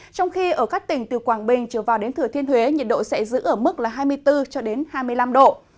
trong khi ở các tỉnh từ quảng bình trở vào đến thừa thiên huế nhiệt độ sẽ giữ ở mức là hai mươi bốn hai mươi năm độ